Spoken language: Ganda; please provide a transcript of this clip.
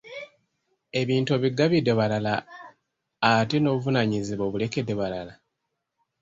Ebintu obigabidde balala ate n'obuvunaanyizibwa obulekedde balala?